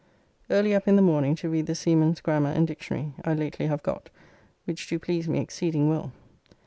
Early up in the morning to read "The Seaman's Grammar and Dictionary" I lately have got, which do please me exceeding well.